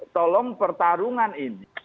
tolong pertarungan ini